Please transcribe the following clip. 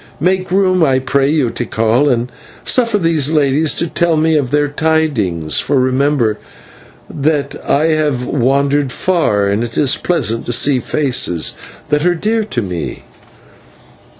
Make room, I pray you, Tikal, and suffer these ladies to tell me of their tidings, for remember that I have wandered far, and it is pleasant to see faces that are dear to me."